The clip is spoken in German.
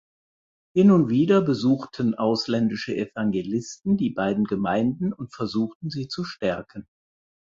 Hin und wieder besuchten ausländische Evangelisten die beiden Gemeinden und versuchten sie zu stärken.